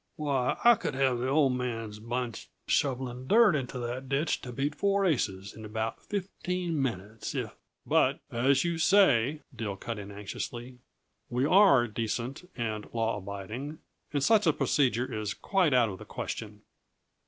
Why, I could have the old man's bunch shoveling dirt into that ditch to beat four aces, in about fifteen minutes, if " "But, as you say," Dill cut in anxiously, "we are decent and law abiding, and such a procedure is quite out of the question."